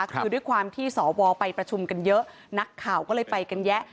คือด้วยความที่สวไปประชุมกันเยอะนักข่าวก็เลยไปกันแยะ